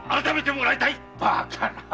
バカな！